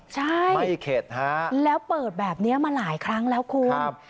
ใช่ไม่เข็ดฮะแล้วเปิดแบบนี้มาหลายครั้งแล้วคุณ